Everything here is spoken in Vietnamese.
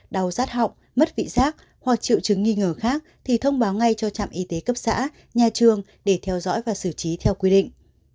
đau rát họng mất vị giác hoặc triệu chứng nghi ngờ khác thì thông báo ngay cho trạm y tế cấp xã nhà trường để theo dõi và xử trí theo quy định